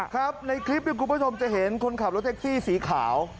ครับในคลิปคุณผู้ชมจะเห็นคนขับรถแท็กซี่สีขาว